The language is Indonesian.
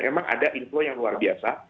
memang ada info yang luar biasa